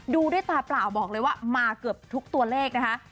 ดูด้วยตาเปล่าบอกเลยว่ามาเกือบทุกตัวเลขนะคะ